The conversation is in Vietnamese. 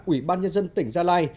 ủy ban nhân dân tỉnh gia lai